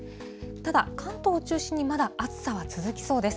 ただ関東中心に、まだ暑さは続きそうです。